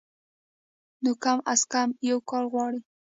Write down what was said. نو کم از کم يو کال غواړي